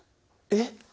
えっ！